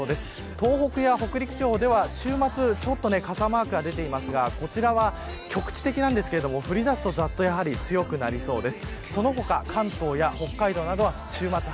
東北や北陸地方では、週末ちょっと傘マークが出ていますが、こちらは局地的なんですが降り出すと、ざっと強くなりそうです。